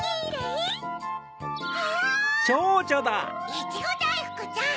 いちごだいふくちゃん！